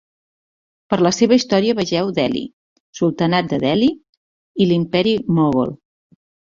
Per la seva història vegeu Delhi, Sultanat de Delhi i Imperi Mogol.